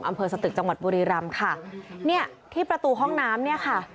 อำเภอสตึกจังหวัดบุรีรำค่ะเนี่ยที่ประตูห้องน้ำเนี่ยค่ะ